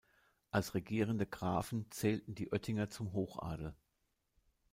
Als regierende Grafen zählten die Oettinger zum Hochadel.